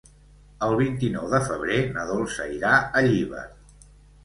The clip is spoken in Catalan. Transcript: El vint-i-nou de febrer na Dolça irà a Llíber.